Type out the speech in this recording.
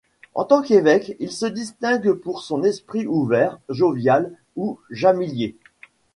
En tant qu'évêque, il se distingue par son esprit ouvert, jovial et familier.